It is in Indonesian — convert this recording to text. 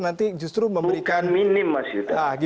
nanti justru memberikan bukan minim mas yudha